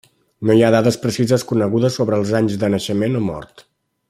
No hi ha dades precises conegudes sobre els anys de naixement o mort.